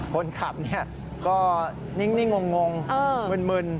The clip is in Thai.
คนขับก็นิ่งงงมึน